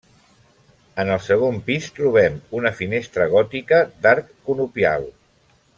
En el segon pis trobem una finestra gòtica d'arc conopial.